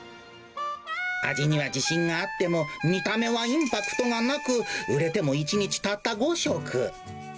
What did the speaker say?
味には自信があっても、見た目はインパクトがなく、売れても１日たった５食。